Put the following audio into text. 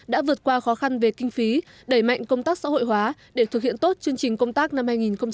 đã vượt qua khó khăn về kinh phí đẩy mạnh công tác xã hội hóa để thực hiện tốt chương trình công tác năm hai nghìn hai mươi